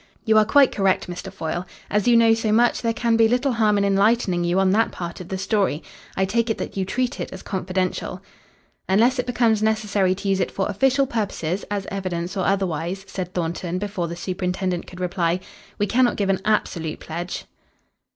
"You are quite correct, Mr. Foyle. As you know so much, there can be little harm in enlightening you on that part of the story. I take it that you treat it as confidential." "Unless it becomes necessary to use it for official purposes, as evidence or otherwise," said Thornton before the superintendent could reply. "We cannot give an absolute pledge."